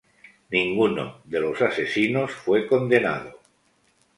Ninguno de los asesinos fue condenado.